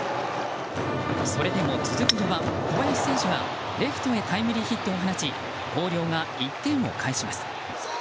それでも続く４番、小林選手がレフトへタイムリーヒットを放ち広陵が１点を返します。